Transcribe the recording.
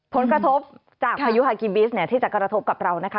ผลกระทบจากพายุฮากิบิสเนี่ยที่จะกระทบกับเรานะคะ